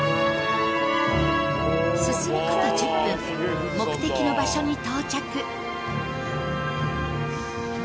進むこと１０分、目的の場所に到着。